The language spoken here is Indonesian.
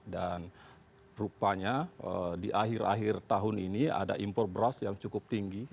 dan rupanya di akhir akhir tahun ini ada impor beras yang cukup tinggi